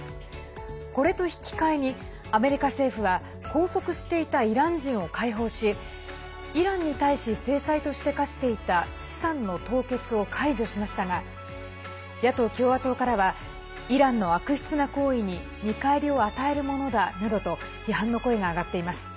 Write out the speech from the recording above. これと引き換えにアメリカ政府は拘束していたイラン人を解放しイランに対し制裁として科していた資産の凍結を解除しましたが野党・共和党からはイランの悪質な行為に見返りを与えるものだなどと批判の声が上がっています。